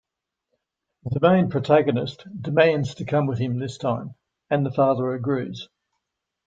The main protagonist demands to come with him this time, and the father agrees.